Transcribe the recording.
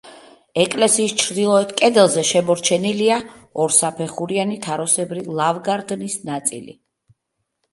ეკლესიის ჩრდილოეთ კედელზე შემორჩენილია ორსაფეხურიანი თაროსებრი ლავგარდნის ნაწილი.